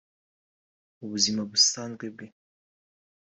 Mu buzima busanzwe bwe